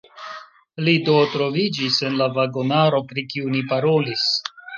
Li do troviĝis en la vagonaro, pri kiu ni parolis?